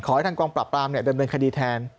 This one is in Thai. ขอให้ทางกองปราบปรามเดินเวนคดีแทน